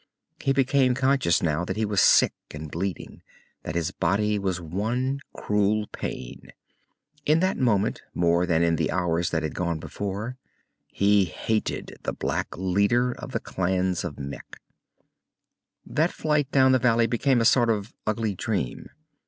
He became conscious now that he was sick and bleeding, that his body was one cruel pain. In that moment, more than in the hours that had gone before, he hated the black leader of the clans of Mekh. That flight down the valley became a sort of ugly dream.